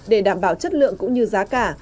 để đảm bảo chất lượng cũng như giá cả